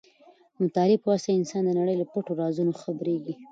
د مطالعې په واسطه انسان د نړۍ له پټو رازونو خبرېږي.